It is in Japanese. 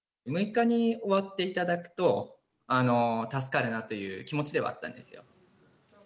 ６日に終わっていただくと助かるなという気持ちではあったんですよ。